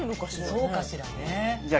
そうかしらね。